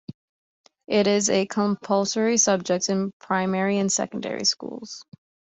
It is a compulsory subject in primary and secondary schools.